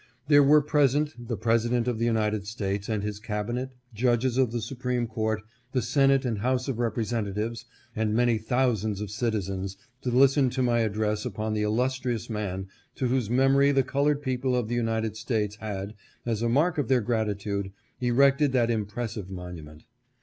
There were present the Presi dent of the United States and his Cabinet, judges of the Supreme Court, the Senate and House of Representatives, and many thousands of citizens to listen to my address upon the illustrious man to whose memory the colored people of the United States had, as a mark of their grati tude, erected that impressive monument.